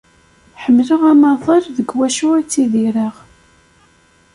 ḥemmleɣ amaḍal deg wacu i ttidireɣ.